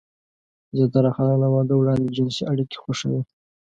زياتره خلک له واده وړاندې جنسي اړيکې خوښوي.